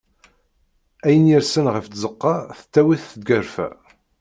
Ayen irsen ɣef tzeqqa, tettawi-t tgerfa.